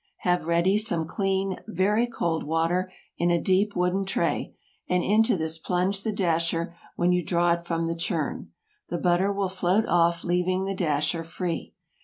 Have ready some clean, very cold water, in a deep wooden tray, and into this plunge the dasher when you draw it from the churn. The butter will float off, leaving the dasher free.